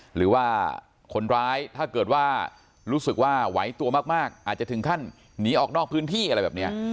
หรือว่าคนร้ายถ้าเกิดว่ารู้สึกว่าไหวตัวมากอาจจะถึงขั้นหนีออกนอกพื้นที่อะไรแบบนี้